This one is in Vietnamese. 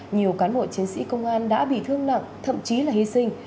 nhiều cán bộ chiến sĩ công an đã bị thương nặng thậm chí là hy sinh